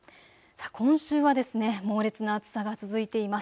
今週は猛烈な暑さが続いています。